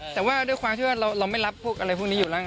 แต่ว่าด้วยความที่ว่าเราไม่รับพวกอะไรพวกนี้อยู่แล้วไง